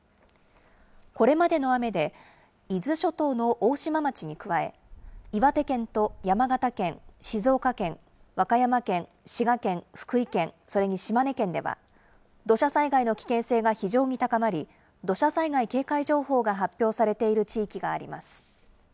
これまでの雨で、伊豆諸島の大島町に加え、岩手県と山形県、静岡県、和歌山県、滋賀県、福井県、それに島根県では、土砂災害の危険性が非常に高まり、土砂災害警戒情報が発表されている地域があります。